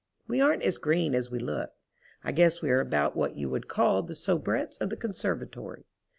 We aren't as green as we look. I guess we are about what you would call the soubrettes of the conservatory.